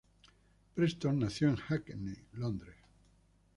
Preston nació en Hackney, Londres.